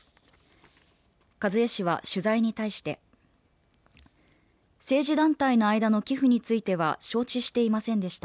一衛氏は取材に対して政治団体の間の寄付については承知していませんでした。